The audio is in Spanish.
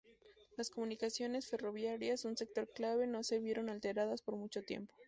Las comunicaciones ferroviarias, un sector clave, no se vieron alteradas por mucho tiempo.